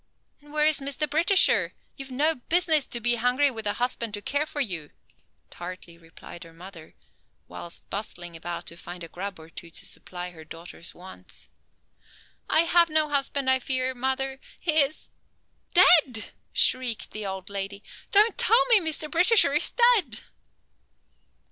"And where is Mr. Britisher? You've no business to be hungry with a husband to care for you," tartly replied her mother, whilst bustling about to find a grub or two to supply her daughter's wants. "I have no husband, I fear, mother. He is " "Dead!" shrieked the old lady. "Don't tell me Mr. Britisher is dead!"